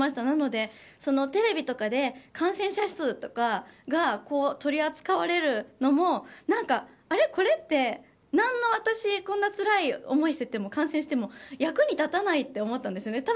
なので、テレビとかで感染者数とかが取り扱われるのもあれ、これって私、こんなつらい思いしてて感染しても役に立たないって思ったんですよね。